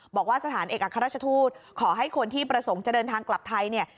บอกว่าสถานเอกอัครราชทูตขอให้คนที่ประสงค์จะเดินทางกลับไทยเนี่ย